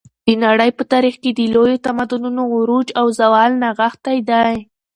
د نړۍ په تاریخ کې د لویو تمدنونو عروج او زوال نغښتی دی.